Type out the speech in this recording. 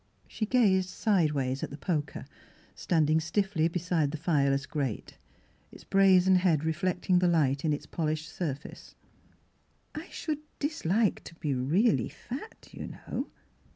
She gazed sidewise at the poker, stand ing stifHy beside the fireless grate, its brazen head reflecting the light in its pol ished surface. "I — I should dislike to be really fat, you know."